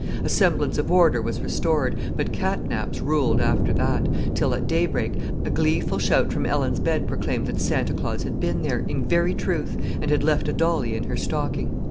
A semblance of order was restored, but cat naps ruled after that, till, at daybreak, a gleeful shout from Ellen's bed proclaimed that Santa Claus had been there, in very truth, and had left a dolly in her stocking.